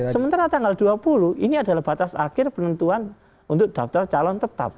sementara tanggal dua puluh ini adalah batas akhir penentuan untuk daftar calon tetap